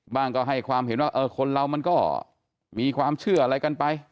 ก็ให้ความเห็นว่าคนเรามันก็มีความเชื่ออะไรกันไป